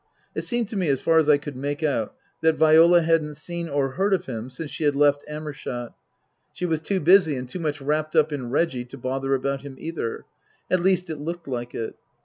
It seemed to me, as far as I could make out, that Viola hadn't seen or heard of him since she had left Amershott. She was too busy and too much wrapped up in Reggie to bother about him either ; at least, it looked like it.